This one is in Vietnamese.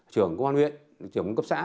trưởng công an huyện trưởng cấp xã